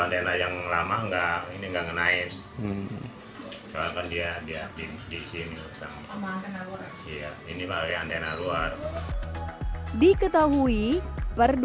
ada yang lama enggak ini enggak naik dia di sini ini malah yang ada yang luar diketahui per dua